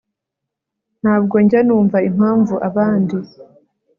ntabwo njya numva impamvu abandi